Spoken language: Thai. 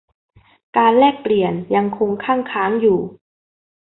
การแลกเปลี่ยนยังคงคั่งค้างอยู่